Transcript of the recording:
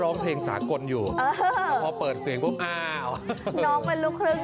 ร้องเพลงสากลอยู่แต่พอเปิดเสียงปุ๊บอ้าวน้องเป็นลูกครึ่ง